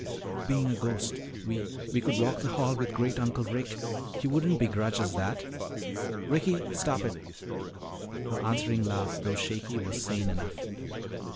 "Being a ghost. We we could walk the hall with Great uncle Rick; he wouldn't begrudge us that." "Ricky! Stop it!" Her answering laugh, though shaky, was sane enough.